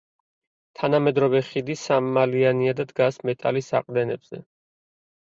თანამედროვე ხიდი სამმალიანია და დგას მეტალის საყრდენებზე.